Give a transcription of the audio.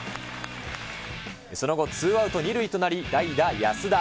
その後、ツーアウト２塁となり、代打、やすだ。